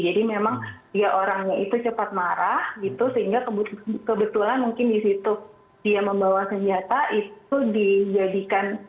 jadi memang orangnya itu cepat marah gitu sehingga kebetulan mungkin disitu dia membawa senjata itu dijadikan